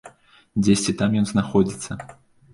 Дзесьці там ён знаходзіцца.